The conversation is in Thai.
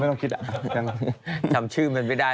ไม่ต้องคิดทำชื่อมันไม่ได้